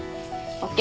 ＯＫ。